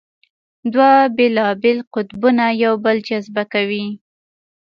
دوه بېلابېل قطبونه یو بل جذبه کوي.